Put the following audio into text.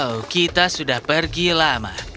oh kita sudah pergi lama